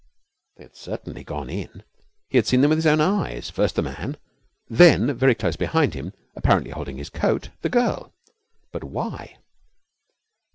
They had certainly gone in. He had seen them with his own eyes first the man, then very close behind him, apparently holding to his coat, the girl. But why?